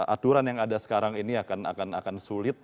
aturan yang ada sekarang ini akan sulit